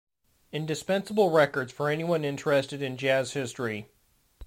Indispensable records for anyone interested in jazz history.